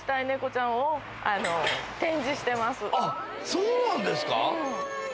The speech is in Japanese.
そうなんですか。